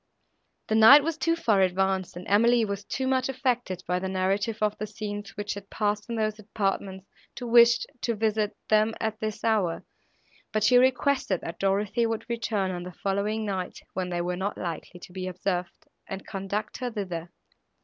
The night was too far advanced and Emily was too much affected by the narrative of the scenes, which had passed in those apartments, to wish to visit them at this hour, but she requested that Dorothée would return on the following night, when they were not likely to be observed, and conduct her thither.